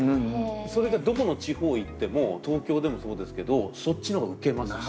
それがどこの地方行っても東京でもそうですけどそっちの方がウケますし。